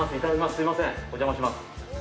すいません、お邪魔します。